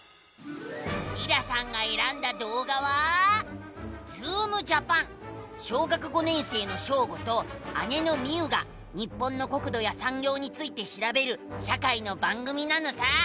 りらさんがえらんだどうがは小学５年生のショーゴと姉のミウが日本の国土やさんぎょうについてしらべる社会の番組なのさ！